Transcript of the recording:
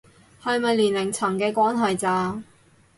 係咪年齡層嘅關係咋